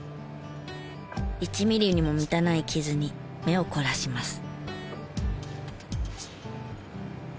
１ミリにも満たない傷に目を凝らします。